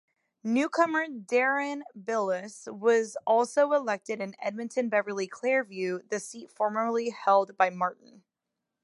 Newcomer Deron Bilous was also elected in Edmonton-Beverly-Clareview, the seat formerly held by Martin.